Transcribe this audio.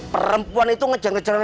perempuan itu ngejar ngejaran itu